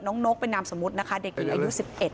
น้องนกไปนำสมมุตินะคะเด็กอายุ๑๑